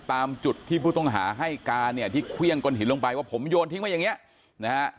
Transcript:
ตามจุดที่ผู้ต้องหาให้การเนี่ยที่เครื่องก้นหินลงไปว่าผมโยนทิ้งไว้อย่างนี้นะฮะ